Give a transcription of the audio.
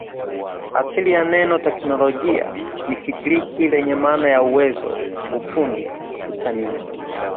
Asili ya neno “Teknolojia” ni kigiriki lenye maana ya uwezo, ufundi, usanii